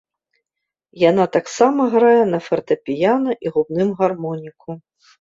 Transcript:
Яна таксама грае на фартэпіяна і губным гармоніку.